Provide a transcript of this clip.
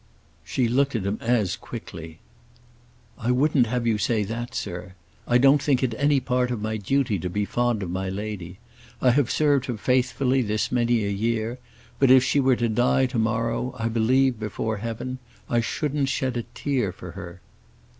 She looked at him as quickly. "I wouldn't have you say that, sir. I don't think it any part of my duty to be fond of my lady. I have served her faithfully this many a year; but if she were to die to morrow, I believe, before Heaven I shouldn't shed a tear for her."